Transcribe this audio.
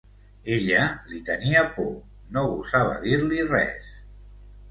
Ella li tenia por, no gosava dir-li res.